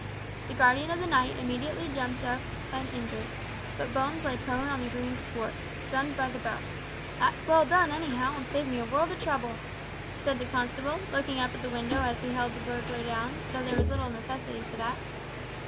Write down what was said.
The guardian of the night immediately jumped up uninjured, but Bones lay prone on the green sward stunned by the bell. "That's well done, anyhow, an' saved me a world o' trouble," said the constable, looking up at the window as he held the burglar down, though there was little necessity for that.